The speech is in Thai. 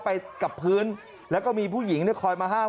ไปกับพื้นแล้วก็มีผู้หญิงเนี่ยคอยมาห้าม